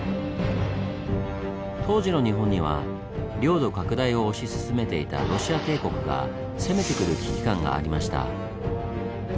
当時の日本には領土拡大を推し進めていたロシア帝国が攻めてくる危機感がありました。